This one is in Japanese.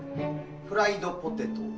フライドポテト。